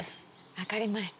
分かりました。